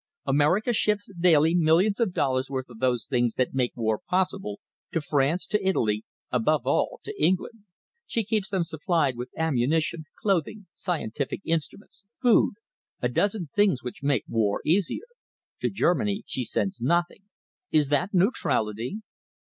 "America ships daily millions of dollars' worth of those things that make war possible, to France, to Italy, above all to England. She keeps them supplied with ammunition, clothing, scientific instruments, food a dozen things which make war easier. To Germany she sends nothing. Is that neutrality?"